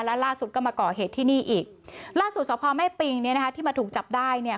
และล่าสุดก็มาก่อเหตุที่นี่อีกล่าสุดสพแม่ปิงเนี่ยนะคะที่มาถูกจับได้เนี่ย